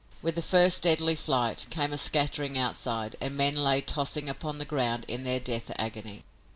With the first deadly flight came a scattering outside and men lay tossing upon the ground in their death agony.